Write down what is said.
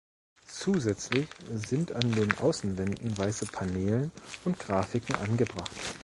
Zusätzlich sind an den Außenwänden weiße Paneelen und Grafiken angebracht.